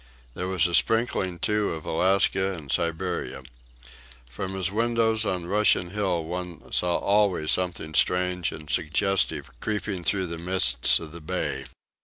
There was a sprinkling, too, of Alaska and Siberia. From his windows on Russian Hill one saw always something strange and suggestive creeping through the mists of the bay.